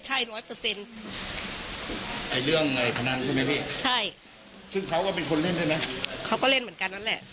ใช่ซึ่งเขาก็เป็นคนเล่นใช่ไหมเขาก็เล่นเหมือนกันนั่นแหละ